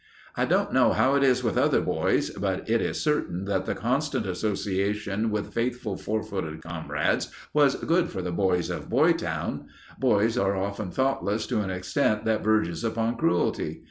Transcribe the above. I don't know how it is with other boys, but it is certain that the constant association with faithful four footed comrades was good for the boys of Boytown. Boys are often thoughtless to an extent that verges upon cruelty.